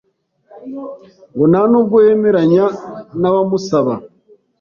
ngo nta nubwo yemeranya n’ abamusaba